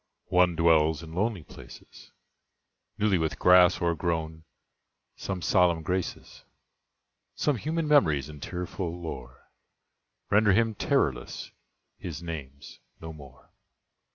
One dwells in lonely places, Newly with grass o'ergrown; some solemn graces, Some human memories and tearful lore, Render him terrorless: his name's "No More."